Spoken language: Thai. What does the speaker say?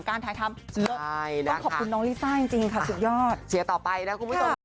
การถ่ายทำโฟโต้อัลบั้มไปดูกันเลยค่ะ